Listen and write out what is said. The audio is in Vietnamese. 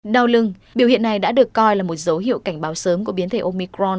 đau lưng biểu hiện này đã được coi là một dấu hiệu cảnh báo sớm của biến thể omicron